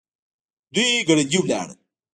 دوی ګړندي ولاړل.